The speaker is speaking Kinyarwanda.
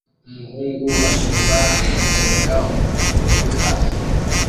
Umuhungu areba amakenga umuntu uri hafi